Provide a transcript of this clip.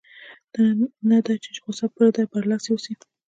نه دا چې غوسه پر ده برلاسې اوسي.